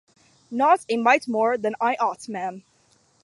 'Not a mite more than I ought, ma'am.